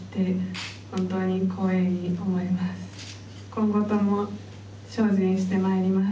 今後とも精進してまいります。